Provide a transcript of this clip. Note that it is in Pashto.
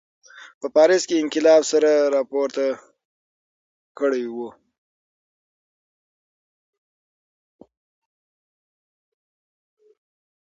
په پاریس کې انقلاب سر راپورته کړی و.